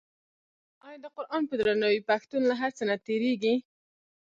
آیا د قران په درناوي پښتون له هر څه نه تیریږي؟